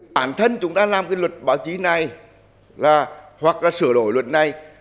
bản thân chúng ta làm cái luật báo chí này là hoặc là sửa đổi luật này